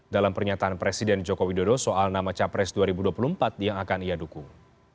dalam pernyataan presiden joko widodo soal nama capres dua ribu dua puluh empat yang akan ia dukung